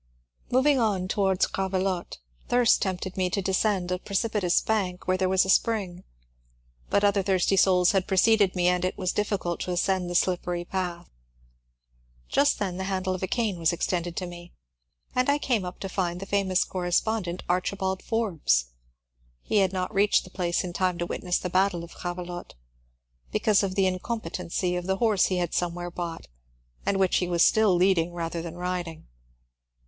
Moving on towards Gravelotte, thirst tempted me to descend a precipitous bank where there was a spring ; but other thirsty souls had preceded me and it was difficult to ascend the slip pery path. Just then the handle of a cane was extended to me, and I came up to find the famous correspondent, Archi 240 MONCUBE DANIEL CX)NWAT bald Forbes. He had not reached the place in time to witness the battle of Gravelotte, because of the incompetency of the horse he had somewhere bought, and which he was still lead ing rather than riding.